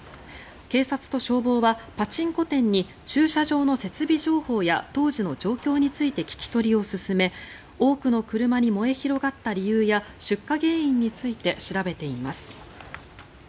警察と消防は、パチンコ店に駐車場の設備情報や当時の状況について聞き取りを進め多くの車に燃え広がった理由や出火原因について調べています。